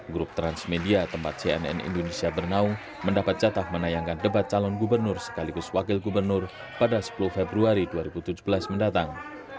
grup transmedia tempat cnn indonesia bernaung mendapat jatah menayangkan debat calon gubernur sekaligus wakil gubernur pada sepuluh februari dua ribu tujuh belas mendatang